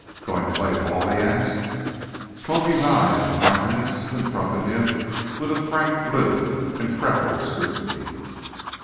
"Going to play ball?" he asked. "Smoky's" eyes and countenance confronted him with a frank blue and freckled scrutiny.